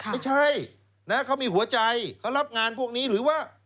ไม่ใช่นะเขามีหัวใจเขารับงานพวกนี้หรือว่า